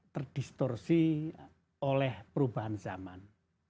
terdistorsi oleh perubahan zaman